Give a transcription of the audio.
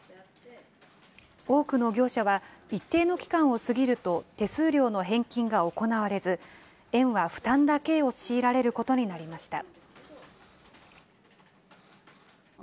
多くの業者は、一定の期間を過ぎると手数料の返金が行われず、園は負担だけを強いられることになりました。